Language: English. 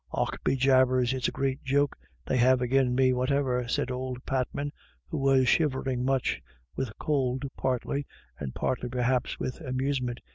" Och bejabers, it's a great joke they have agin me whatever," said old Patman, who was shivering much, with cold partly, and partly perhaps with amusement.